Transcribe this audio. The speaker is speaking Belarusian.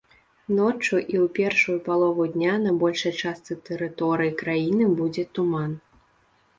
Ноччу і ў першую палову дня на большай частцы тэрыторыі краіны будзе туман.